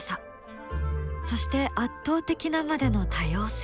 そして圧倒的なまでの多様性。